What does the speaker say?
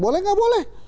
boleh gak boleh